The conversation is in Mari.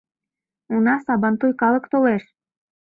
Уна, сабантуй калык толеш!